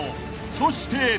［そして！］